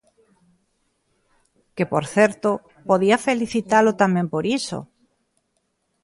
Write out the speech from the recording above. Que, por certo, podía felicitalo tamén por iso.